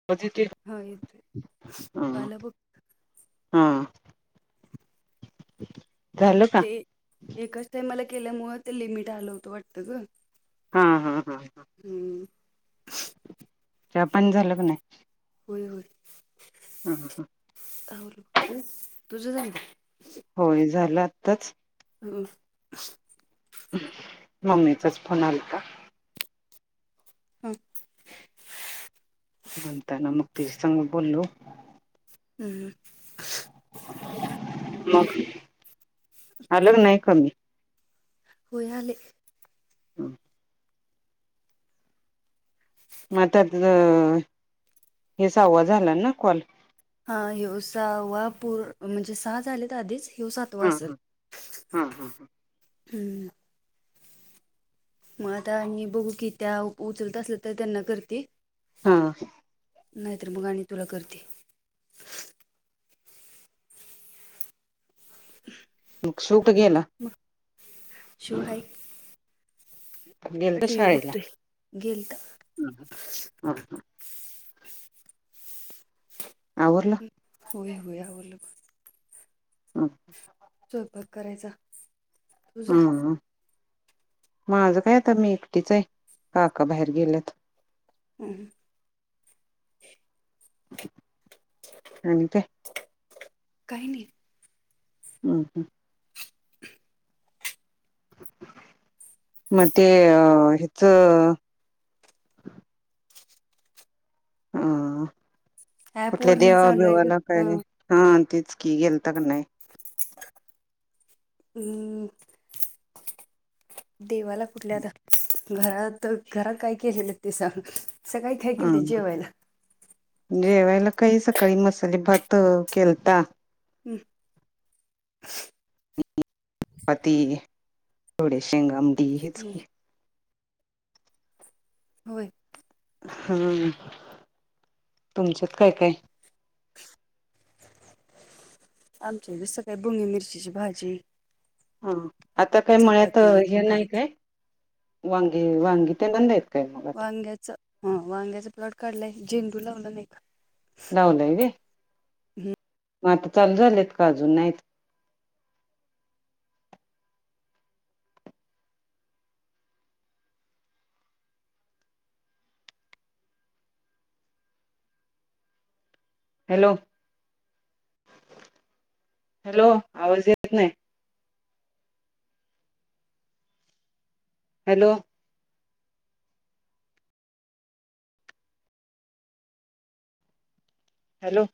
[inaudible] हा [unintelligible] हा. झालं? का ते एकाच टाइमला केल्यामु ते लिमिट आलं होतं वाटतं ग. हां हां हां हां. हम्म. च्या पाणी झालं का नाही? होय होय. हम हम हम. [unintelligible] होय झालं आत्ताच. हम. मम्मीचाच फोन आलता. [inaudible] म्हणतान मग तीज्या संग बोलो. हम. मग? अल का नाही कमी? हो आल हम मग त्यात हे सहावा झाला ना कॉल हा ह्यो सहावा पूर म्हणजे सहा झालेत आधीच ह्यो सातवा असेल हां हां हां हम्म मग आता नी बघू की त्या उचलत असल तर त्यांना करते हा नाहीतर मग आणि तुला करते सूट घेला मग शिव हाय की गेलता शाळेला बघतोय गेलता हा हा आवरल होई हय बोलल हां स्वयपाग करायचा ह तुझं मा माझं काय आता मी एकटीच आहे काका बाहेर गेलेत ह आणि ते काही नाही हम् हम मग ते अ हेच ह ऍप कुठल्या वरनं चालू आहे ग देवाभेवाला हा काय हा तेच की गेलता का नाही हम् देवाला कुठल्या आता घरात घरात काय केलेलं ते सांग असं काय खय हा केल ते जेवायला जेवायला काही सकाळी मसाले भात केलता ह पाती थोडी शेंग आमटी हेच की होय हम तुमच्यात काय काय आमच्या बी सकाळी बुंगी मिरचीची भाजी ह आता काय मळ्यात चपाती हे नाही भात काय वांगे वांगे ते बंद हे वांग्याच ह वांग्याच प्लॉट काढलाय झेंडू लावलं नाही का लावलय होय मग आता चालू झालेत का अजून नाहीत हॅलो हॅलो आवाज येत की नाह हॅलो हॅलो